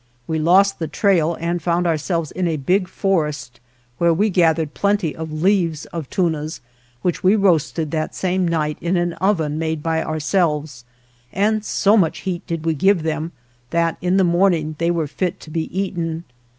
We lost the trail and found ourselves in a big forest, where we gathered plenty of leaves of tunas which we roasted that same night in an oven made by ourselves, and so much heat did we give them that in the morning they were fit to be eaten.